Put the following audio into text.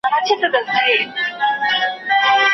بس دښمن مي د خپل ځان یم